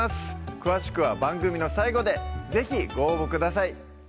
詳しくは番組の最後で是非ご応募ください